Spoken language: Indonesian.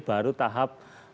jangan lupa permohonan ini